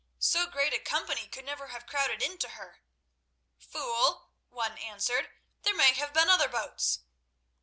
"So great a company could never have crowded into her." "Fool!" one answered, "there may have been other boats."